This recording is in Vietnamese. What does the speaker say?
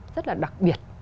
rất là đặc biệt